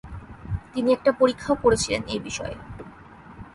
তিনি একটা পরীক্ষাও করেছিলেন এ বিষয়ে।